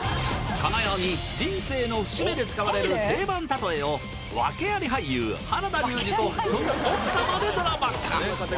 このように人生の節目で使われる「定番たとえ」を訳あり俳優原田龍二とその奥様でドラマ化！